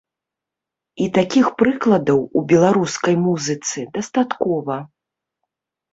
І такіх прыкладаў у беларускай музыцы дастаткова.